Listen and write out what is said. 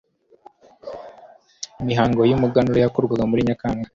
imihango y'umuganura yakorwaga muri nyakanga